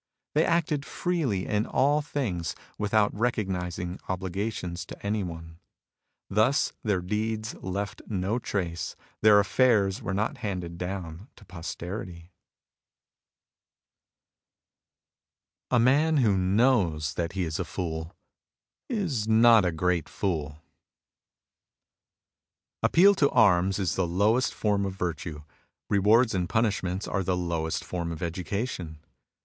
They acted freely in all things without recognising obligations to any one. ^us their deeds left no trace ; their affairs were not handed down to posterity. A man who knows that he is a fool is not a great fool. Appeal to arms is the lowest form of virtue. Rewards and punishments are the lowest form of education.